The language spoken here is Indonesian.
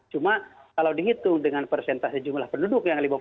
cuma kalau dihitung dengan persentase jumlah penduduk yang dihitung